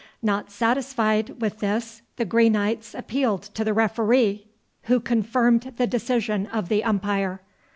Not satisfied with this the Greenites appealed to the referee, who confirmed the decision of the umpire.